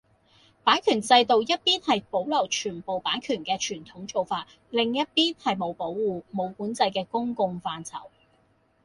版權制度一邊係保留全部版權嘅傳統做法，另一邊係冇保護，冇管制嘅公共範疇